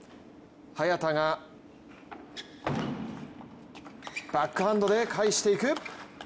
早田がバックハンドで返していく。